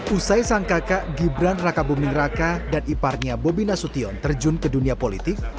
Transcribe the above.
usai sang kakak gibran raka buming raka dan iparnya bobi nasution terjun ke dunia politik